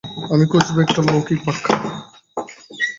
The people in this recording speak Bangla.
আমি খুঁজব একটা লৌকিক ব্যাখ্যা।